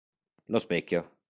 Lo specchio